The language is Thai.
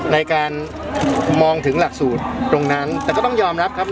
ในการมองถึงหลักสูตรตรงนั้นแต่ก็ต้องยอมรับครับ